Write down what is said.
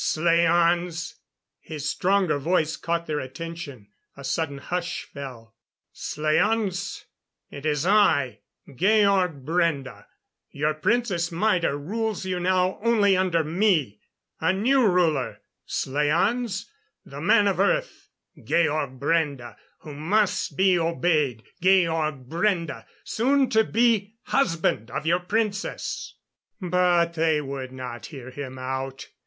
"Slaans " His stronger voice caught their attention. A sudden hush fell. "Slaans it is I, Georg Brende. Your Princess Maida rules you now only under me. A new ruler, slaans the man of Earth Georg Brende who must be obeyed Georg Brende, soon to be husband of your Princess " But they would not hear him out.